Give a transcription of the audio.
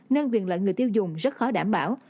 nên quyền lợi người tiêu dùng rất khó đảm bảo